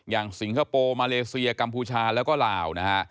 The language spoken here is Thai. อย่างสิงคโปร์มาเลเซียกัมพูชาแล้วก็ราว